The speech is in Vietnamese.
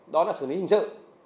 đó là xử lý hình sự